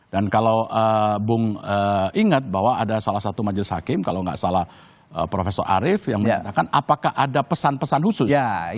dan kalau bung ingat bahwa ada salah satu majlis hakim kalau tidak salah prof arief yang menanyakan apakah ada pesan pesan khusus dari pak jokowi